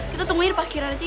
kita tungguin di parkiran aja ya